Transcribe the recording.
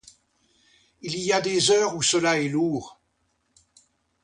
Il y a des heures où cela est lourd.